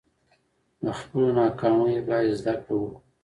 له خپلو ناکامیو باید زده کړه وکړو.